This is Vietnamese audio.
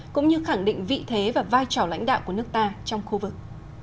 cũng như khẳng định vị thế và vai trò lãnh đạo của nước ta trong khu vực